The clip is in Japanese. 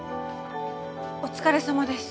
お疲れさまです。